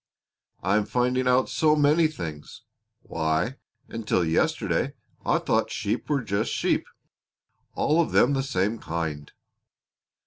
I am finding out so many things! Why, until yesterday I thought sheep were just sheep all of them the same kind.